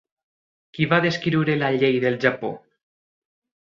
Qui va descriure la llei del Japó?